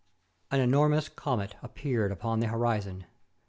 ] An enormous comet appeared upon the horizon.